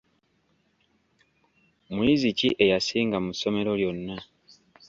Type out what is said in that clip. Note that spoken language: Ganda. Muyizi ki eyasinga mu ssomero lyonna?